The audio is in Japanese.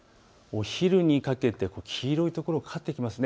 お昼にかけて黄色いところかかってきますね。